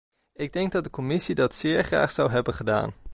Ik denk dat de commissie dat zeer graag zou hebben gedaan.